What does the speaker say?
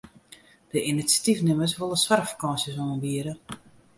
De inisjatyfnimmers wolle soarchfakânsjes oanbiede.